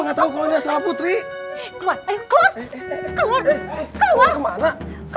enggak tahu kalau asrama putri keluar keluar keluar kemana